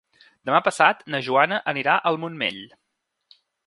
Demà passat na Joana anirà al Montmell.